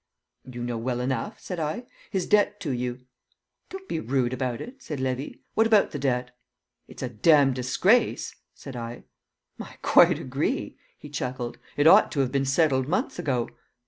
"You know well enough," said I: "his debt to you." "Don't be rude about it," said Levy. "What about the debt?" "It's a damned disgrace!" said I. "I quite agree," he chuckled. "It ought to 'ave been settled months ago."